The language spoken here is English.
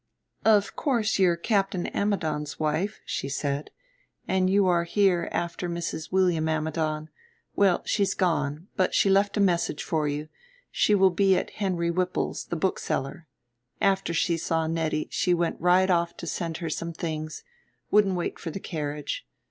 "Of course you're Captain Ammidon's wife," she said; "and you are here after Mrs. William Ammidon. Well, she's gone; but she left a message for you. She will be at Henry Whipple's, the bookseller. After she saw Nettie she went right off to send her some things; wouldn't wait for the carriage.